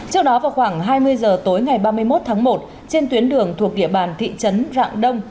trước đó vào khoảng hai mươi giờ tối ngày ba mươi một tháng một trên tuyến đường thuộc địa bàn thị trấn rạng đông